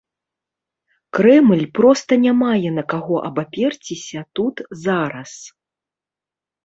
Крэмль проста не мае на каго абаперціся тут зараз.